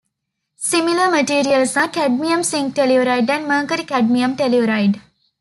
Similar materials are cadmium zinc telluride and mercury cadmium telluride.